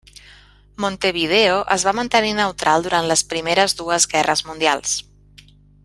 Montevideo es va mantenir neutral durant les primeres dues guerres mundials.